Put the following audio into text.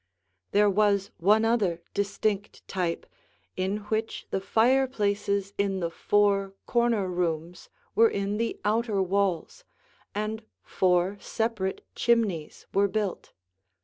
There was one other distinct type, in which the fireplaces in the four corner rooms were in the outer walls, and four separate chimneys were built.